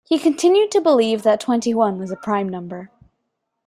He continued to believe that twenty-one was a prime number